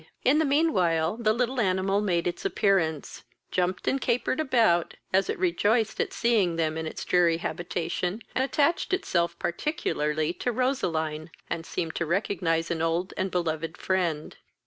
In the mean while, the little animal made its appearance, jumped and capered about, as it it rejoiced at seeing them in its dreary habitation, attached itself particularly to Roseline, and seemed to recognize an old and beloved friend.